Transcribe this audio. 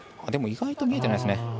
意外と見えてますね。